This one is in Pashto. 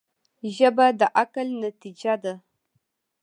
ژبه د عقل نتیجه ده